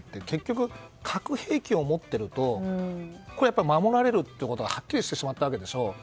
結局、核兵器を持っているとやっぱり守られるということがはっきりしてしまったわけでしょ。